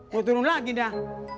gua turun lagi dah